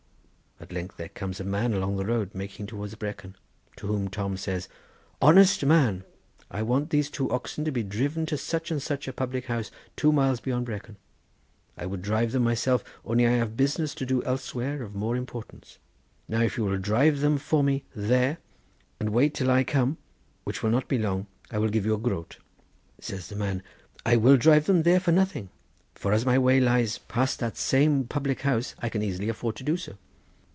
At length there comes a man along the road, making towards Brecon, to whom Tom says: 'Honest man, I want these two oxen to be driven to such and such a public house two miles beyond Brecon; I would drive them myself only I have business to do elsewhere of more importance. Now if you will drive them for me there and wait till I come, which will not be long, I will give you a groat.' Says the man: 'I will drive them for nothing, for as my way lies past that same public house I can easily afford to do so.